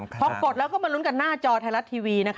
พอกดแล้วก็มาลุ้นกันหน้าจอไทยรัฐทีวีนะคะ